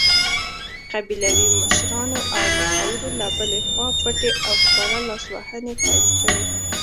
قبیلوي مشرانو او مخورو له بلې خوا پټې او ښکاره لاسوهنې پیل کړې.